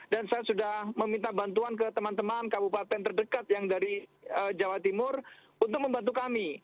dan saya sudah meminta bantuan ke teman teman kabupaten terdekat yang dari jawa timur untuk membantu kami